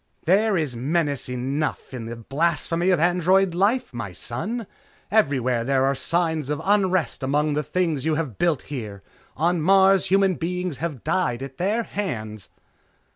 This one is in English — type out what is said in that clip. "There is menace enough in the blasphemy of android life, my son. Everywhere there are signs of unrest among the things you have built here. On Mars, human beings have died at their hands!"